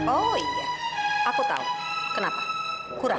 oh iya aku tahu kenapa kurang